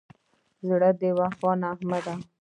زړه د وفا نغمه ده.